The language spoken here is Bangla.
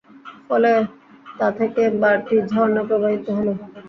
ফলে তাথেকে বারটি ঝরনা প্রবাহিত হল।